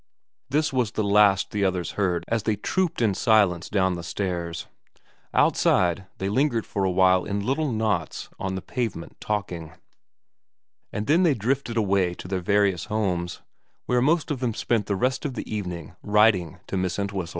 This was the last the others heard as they trooped in silence down the stairs. Outside they lingered for a while in little knots on the pavement talking, and then they drifted away to their various homes, where most of them spent the rest of the evening writing to Miss Entwhistle.